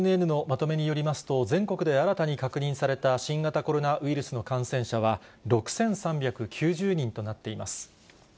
ＮＮＮのまとめによりますと、全国で新たに確認された新型コロナウイルスの感染者は６３９０人となっています。